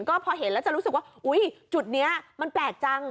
ก็พอเห็นแล้วจะรู้สึกว่าอุ๊ยจุดนี้มันแปลกจัง